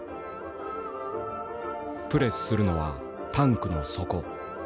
プレスするのはタンクの底。